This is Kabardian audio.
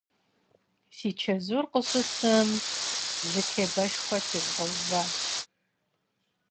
Си чэзур къыщысым, лы тебэшхуэ тезгъэуващ.